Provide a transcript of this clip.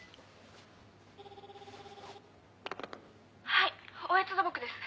☎はい大悦土木です。